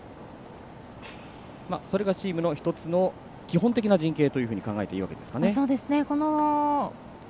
それがチームの１つの基本的な陣形と考えていいわけですかね。